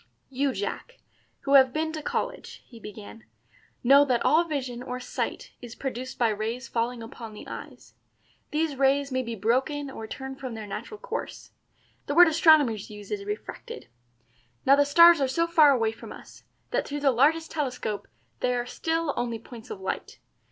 "You, Jack, who have been to college," he began, "know that all vision or sight is produced by rays falling upon the eyes. These rays may be broken or turned from their natural course the word astronomers use is refracted. Now the stars are so far away from us that through the largest telescope they are still only points of light.